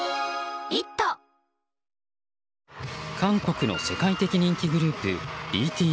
韓国の世界的人気グループＢＴＳ。